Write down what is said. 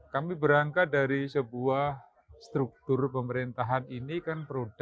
kami berangkat dari sebuah struktur pemerintahan ini kan produk